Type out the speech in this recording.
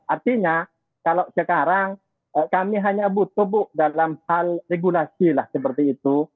artinya kalau sekarang kami hanya butuh buk dalam hal regulasi lah seperti itu